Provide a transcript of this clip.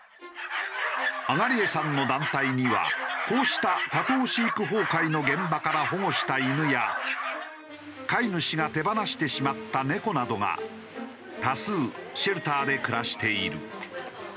東江さんの団体にはこうした多頭飼育崩壊の現場から保護した犬や飼い主が手放してしまった猫などが多数シェルターで暮らしている。